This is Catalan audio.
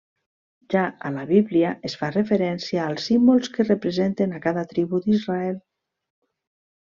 Ja a la Bíblia es fa referència als símbols que representen a cada tribu d'Israel.